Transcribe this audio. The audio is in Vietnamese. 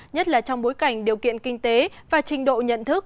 nhất là trong bối cảnh điều kiện kinh tế và trình độ nhận thức